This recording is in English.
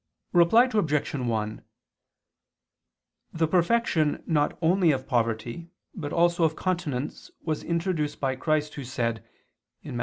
Reply Obj. 1: The perfection not only of poverty but also of continence was introduced by Christ Who said (Matt.